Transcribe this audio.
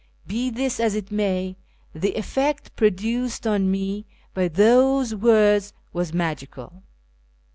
Be this as it may, the effect produced on me by these words was magical.